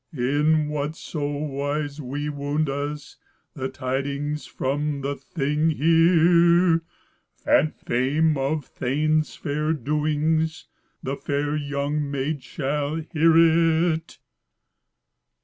In whatso wise we wound us, The tidings from the Thing here, And fame of thanes' fair doings, The fair young maid shall hear it."